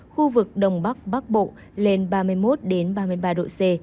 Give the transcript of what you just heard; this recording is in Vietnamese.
khu vực đông bắc bắc bộ lên ba mươi một ba mươi ba độ c